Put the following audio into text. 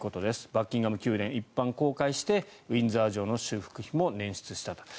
バッキンガム宮殿、一般公開してウィンザー城の修復費もねん出したと。